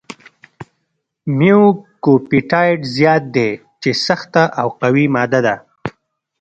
میوکوپپټایډ زیات دی چې سخته او قوي ماده ده.